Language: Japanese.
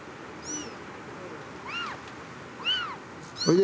おいで！